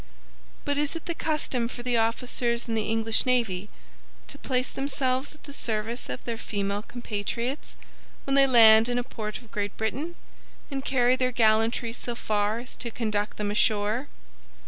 "But is it the custom for the officers in the English navy to place themselves at the service of their female compatriots when they land in a port of Great Britain, and carry their gallantry so far as to conduct them ashore?"